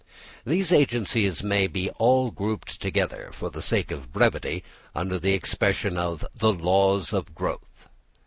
These agencies may be all grouped together, for the sake of brevity, under the expression of the laws of growth.